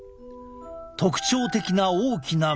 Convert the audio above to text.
特徴的な大きな目。